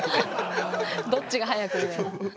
どっちが早くね。